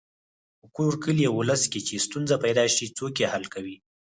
په کور، کلي او ولس کې چې ستونزه پیدا شي څوک یې حل کوي.